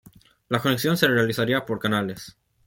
La conexión se realizaría por canales.